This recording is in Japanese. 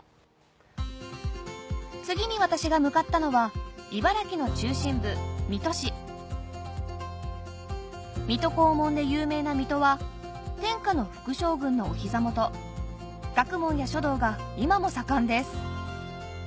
次に私が向かったのは茨城の中心部水戸市水戸黄門で有名な水戸は天下の副将軍のお膝元学問や書道が今も盛んです